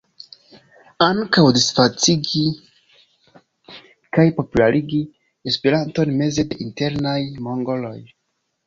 Ankaŭ disvastigi kaj popularigi Esperanton meze de internaj mongoloj.